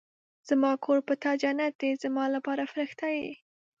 زما کور په تا جنت دی ، زما لپاره فرښته ېې